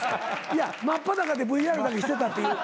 いや真っ裸でＶＲだけしてたという。